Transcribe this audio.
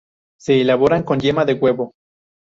Se elaboran con yema de huevo.